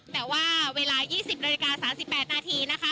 แต่ว่าเวลา๒๐โดย๓๘นาทีนะคะ